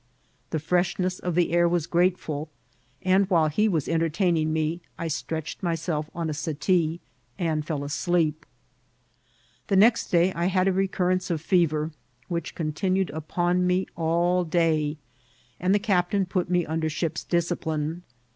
The fireshness of the air was gratefiil; and while he was entertaining me, I stretched myself on a settee and fell asleep. The next day I had a recurrence of fever, which continued upon me all day, and the captain put me un d^r ship's discipline.